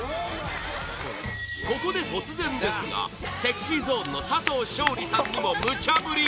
ここで、突然ですがＳｅｘｙＺｏｎｅの佐藤勝利さんにも無茶振り！